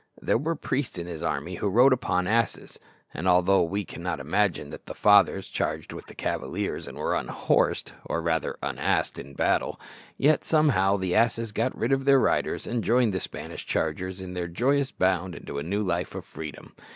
There were priests in his army who rode upon asses, and although we cannot imagine that the "fathers" charged with the cavaliers and were unhorsed, or, rather, un assed in battle, yet, somehow, the asses got rid of their riders and joined the Spanish chargers in their joyous bound into a new life of freedom.